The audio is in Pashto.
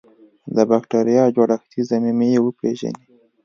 د بکټریا جوړښتي ضمیمې وپیژني.